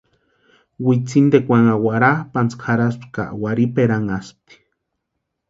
Witsintekwa warhapʼantsïkwa jarhaspti ka warhiperanhaspti.